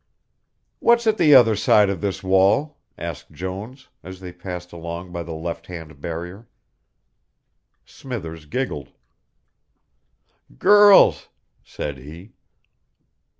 "What's at the other side of this wall?" asked Jones, as they passed along by the left hand barrier. Smithers giggled. "Girls," said he.